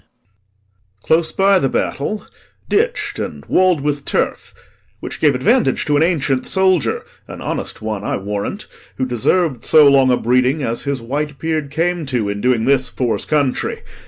POSTHUMUS. Close by the battle, ditch'd, and wall'd with turf, Which gave advantage to an ancient soldier An honest one, I warrant, who deserv'd So long a breeding as his white beard came to, In doing this for's country.